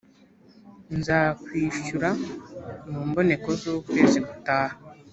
nzakwishyura mu mboneko z’ ukwezi gutaha